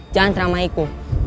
jangan teramai ku